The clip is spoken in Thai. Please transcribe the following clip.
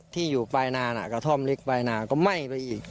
ที่อยู่ปลายนานกระท่อมเล็กปลายนาก็ไหม้ไปอีก